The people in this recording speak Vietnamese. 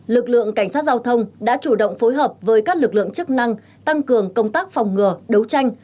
lực lượng cảnh sát giao thông đã chủ động phối hợp với các lực lượng chức năng tăng cường công tác phòng ngừa đấu tranh